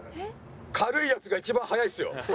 軽いヤツが一番速いっすよ。